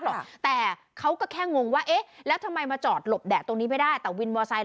หรอกแต่เขาก็แค่งงว่าเอ๊ะแล้วทำไมมาจอดหลบแดดตรงนี้ไม่ได้แต่วินมอไซค์